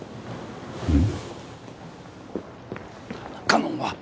かのんは？